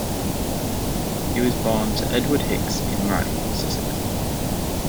He was born to Edward Hicks in Rye, Sussex.